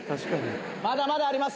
まだまだあります。